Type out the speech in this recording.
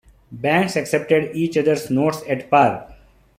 Banks accepted each other's notes at par.